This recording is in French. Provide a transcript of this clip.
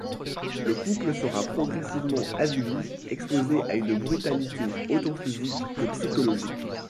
Le couple sera progressivement avili, exposé à une brutalité autant physique que psychologique.